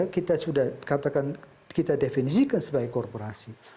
kita sudah katakan kita definisikan sebagai korporasi